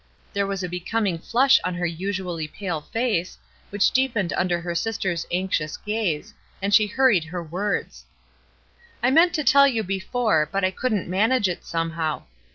There was a becoming flush on her usually pale face, which deepened under her sister's anxious gaze, and she hurried her words: — "I meant to tell you before, but I couldn't manage it, somehow.